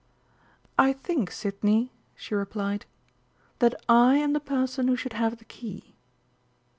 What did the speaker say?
"I think, Sidney," she replied, "that I am the person who should have the key."